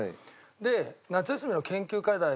で夏休みの研究課題